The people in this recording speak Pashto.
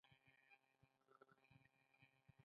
ایا زه به زیارت ته لاړ شم؟